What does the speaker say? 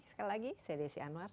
sekali lagi saya desi anwar